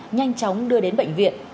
nhanh chóng đưa đến bệnh viện